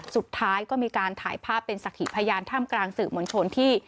สุดท้ายก็มีการถ่ายภาพเป็นสักหีพยานท่ามกลางสื่อมวลชนที่